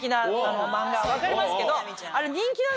分かりますけど。